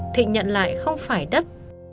thịnh nhận lại không phải đất